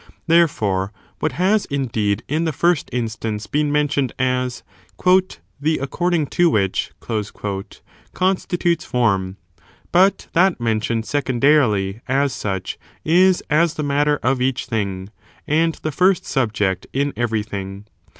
2 Therefore, what has, indeed, in the first instance been mentioned as the according to which " con stitutes form ; but that mentioned secondarily, as such, is as the matter of each thing, and the first subject in everything.